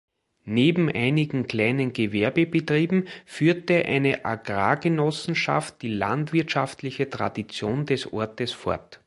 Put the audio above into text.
Neben einigen kleinen Gewerbebetrieben führte eine Agrargenossenschaft die landwirtschaftliche Tradition des Ortes fort.